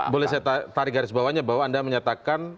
boleh saya tarik garis bawahnya bahwa anda menyatakan